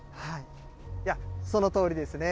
そのとおりですね。